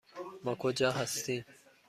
ما کجا هستیم؟